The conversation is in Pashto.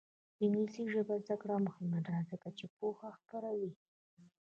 د انګلیسي ژبې زده کړه مهمه ده ځکه چې پوهه خپروي.